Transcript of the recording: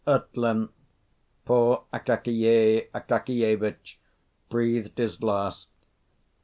At length poor Akakiy Akakievitch breathed his last.